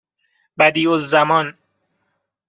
بَدیعالزمان